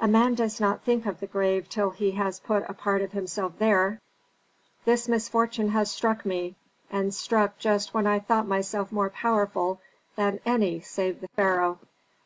"A man does not think of the grave till he has put a part of himself there. This misfortune has struck me, and struck just when I thought myself more powerful than any save the pharaoh."